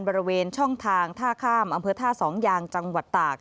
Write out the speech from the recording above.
บริเวณช่องทางท่าข้ามอำเภอท่าสองยางจังหวัดตาก